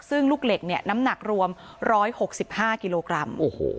ซึ่งลูกเหล็กเนี้ยน้ำหนักรวมร้อยหกสิบห้ากิโลกรัมโอ้โห